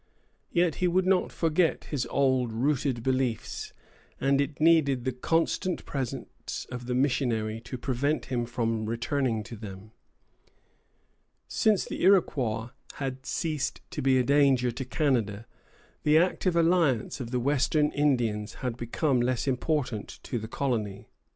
Yet he would not forget his old rooted beliefs, and it needed the constant presence of the missionary to prevent him from returning to them. Since the Iroquois had ceased to be a danger to Canada, the active alliance of the Western Indians had become less important to the colony.